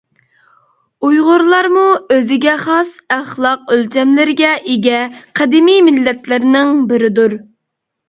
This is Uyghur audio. ئۇيغۇرلارمۇ ئۆزىگە خاس ئەخلاق ئۆلچەملىرىگە ئىگە قەدىمىي مىللەتلەرنىڭ بىرىدۇر.